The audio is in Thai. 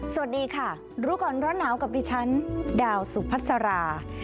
สวัสดีค่ะรู้ก่อนร้อนหนาวกับดิฉันดาวสุพัสรา